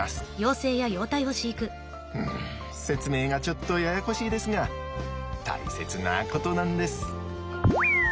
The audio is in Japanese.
うん説明がちょっとややこしいですが大切なことなんです。